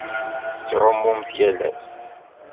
Tettɛummum yal ass?